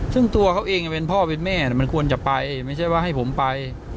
ซึ่งตัวเขาเองเป็นพ่อเป็นแม่มันควรจะไปไม่ใช่ว่าให้ผมไป